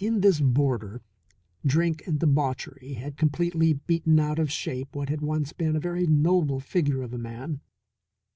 In this boarder drink and debauchery had completely beaten out of shape what had once been a very noble figure of a man.